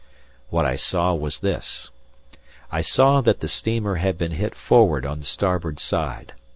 What I saw was this: I saw that the steamer had been hit forward on the starboard side.